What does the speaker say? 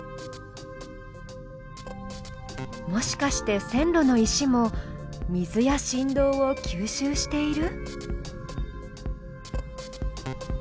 もしかして線路の石も水や振動を吸収している？